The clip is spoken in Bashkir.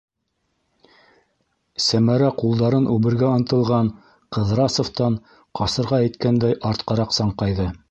- Сәмәрә ҡулдарын үбергә ынтылған Ҡыҙрасовтан ҡасырға иткәндәй, артҡараҡ саңҡайҙы.